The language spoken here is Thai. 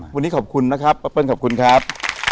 วันนี้ขอบคุณนะครับป้าเปิ้ลขอบคุณครับ